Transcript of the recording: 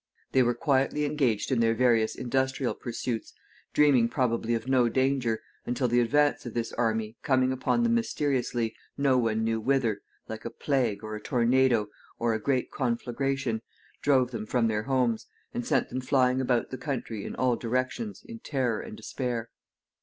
They were quietly engaged in their various industrial pursuits, dreaming probably of no danger, until the advance of this army, coming upon them mysteriously, no one knew whither, like a plague, or a tornado, or a great conflagration, drove them from their homes, and sent them flying about the country in all directions in terror and despair.